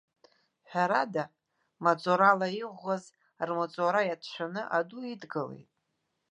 Ҳәарада, маҵурала иӷәӷәаз, рмаҵура иацәшәаны аду идгылеит.